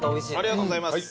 ありがとうございます。